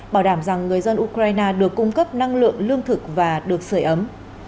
bảo đảm rằng người dân ukraine được cung cấp năng lượng lương thực và được sửa ấm